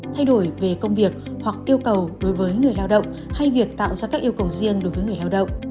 thay đổi về công việc hoặc yêu cầu đối với người lao động hay việc tạo ra các yêu cầu riêng đối với người lao động